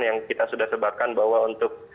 yang kita sudah sebarkan bahwa untuk